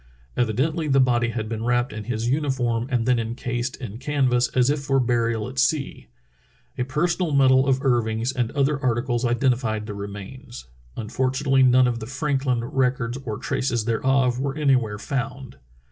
Evidently the body had been wrapped in his uniform and then encased in canvas as if for burial at sea. A personal medal of Irving's and other articles identified the remains. Unfortunately none of the Franklin records or traces thereof were anywhere found.